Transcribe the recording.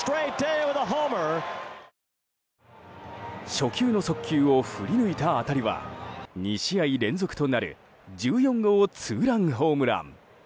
初球の速球を振り抜いた当たりは２試合連続となる１４号ツーランホームラン！